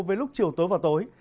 với lúc chiều tối và tối